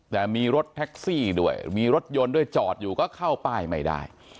แต่มีรถแท็กซี่ด้วยมีรถยนต์ด้วยจอดอยู่ก็เข้าป้ายไม่ได้